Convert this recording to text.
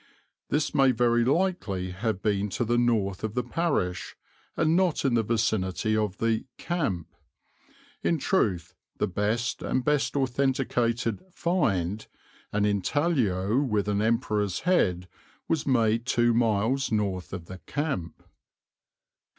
This may very likely have been to the north of the parish and not in the vicinity of the 'camp.' In truth the best and best authenticated 'find,' an intaglio with an emperor's head, was made two miles north of the 'camp.'"